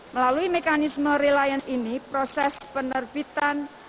melalui mekanisme reliance ini proses penerbitan